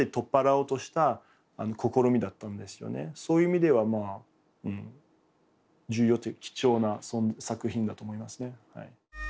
そういう意味では重要というか貴重な作品だと思いますね。